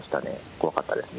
怖かったですね。